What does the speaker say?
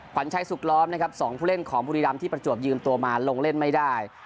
ขวัญชัยสุขล้อมนะครับ๒ผู้เล่นของบุรีรำที่ประจวบยืมตัวมาลงเล่นไม่ได้